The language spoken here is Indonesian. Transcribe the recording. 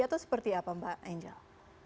atau seperti apa mbak angel